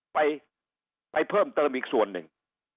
ไปไปเพิ่มเติมอีกส่วนหนึ่ง